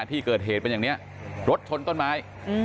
ที่เกิดเหตุเป็นอย่างนี้รถชนต้นไม้